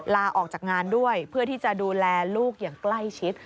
ลาออกจากงานด้วยเพื่อที่จะดูแลลูกอย่างใกล้ชิด